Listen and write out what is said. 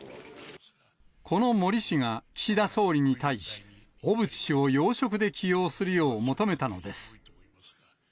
この森氏が岸田総理に対し、小渕氏を要職で起用するよう求めたのです。